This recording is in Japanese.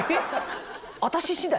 私次第？